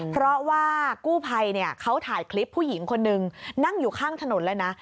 เพราะว่ากู้ภัยเขาถ่ายคลิปผู้หญิงคนนึงนั่งอยู่ข้างถนนเลยนะ